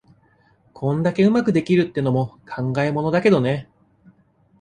こんだけ上手くできるってのも考えものだけどね。